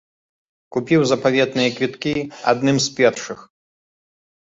Купіў запаветныя квіткі адным з першых!